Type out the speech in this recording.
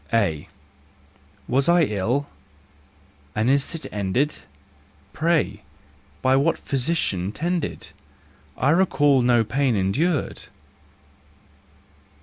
A. Was I ill? and is it ended ? Pray, by what physician tended ? I recall no pain endured!